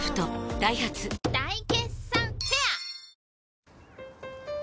ダイハツ大決算フェア